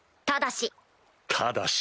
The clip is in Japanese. ただし。